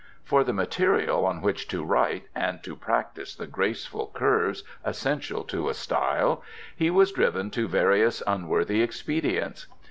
For the material on which to write and to practise the graceful curves essential to a style he was driven to various unworthy expedients.